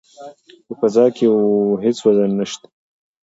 په فضا کې هیڅ وزن نشته.